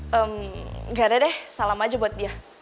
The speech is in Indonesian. hmm gak ada deh salam aja buat dia